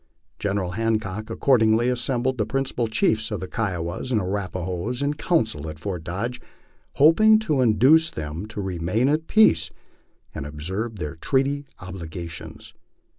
General Hancock accordingly assembled the principal chiefs of the Kiowas and Arrapahoes in council at Fort Dodge, hoping to induce them to remain at peace and observe their treaty obligations.